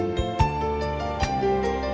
đau khổ và đau khổ